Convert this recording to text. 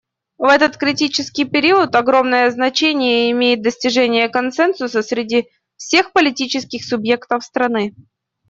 В этот критический период огромное значение имеет достижение консенсуса среди всех политических субъектов страны.